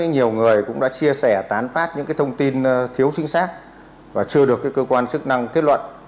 nhiều người cũng đã chia sẻ tán phát những thông tin thiếu chính xác và chưa được cơ quan chức năng kết luận